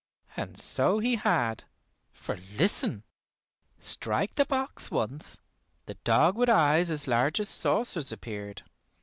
And so he had, for listen! Strike the box once, the dog with eyes as large as saucers appeared.